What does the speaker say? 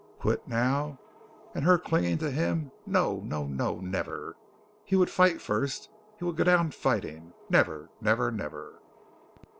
Quit now, and her clinging to him. No! No! No! Never!! He would fight first. He would go down fighting. Never! Never! Never!